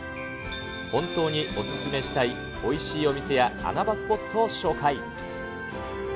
本当にお勧めしたいおいしいお店や穴場スポットを紹介。